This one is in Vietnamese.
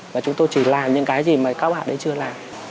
và chúng tôi chỉ làm những cái gì mà các bạn đấy chưa làm